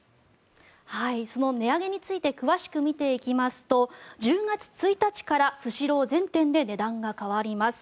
その値上げについて詳しく見ていきますと１０月１日からスシロー全店で値段が変わります。